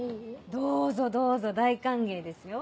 どうぞどうぞ大歓迎ですよ。